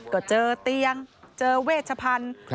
ก็เจอเตียงเจอเวชพันธุ์